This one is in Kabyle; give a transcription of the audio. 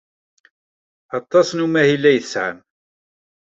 Aṭas n umahil ay tesɛam?